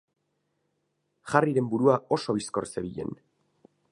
Harryren burua oso bizkor zebilen.